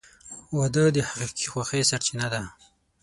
• واده د حقیقي خوښۍ سرچینه ده.